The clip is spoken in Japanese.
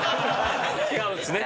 違うんですね。